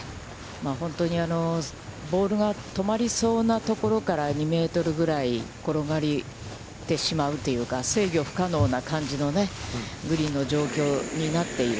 本当に、ボールが止まりそうなところから、２メートルぐらい転がってしまうというか、制御不可能な感じの、グリーンの状況になっている。